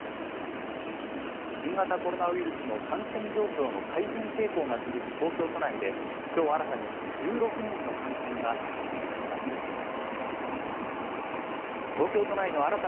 新型コロナウイルスの感染状況の改善傾向が続く東京都内で、きょう新たに１６人の感染が確認されました。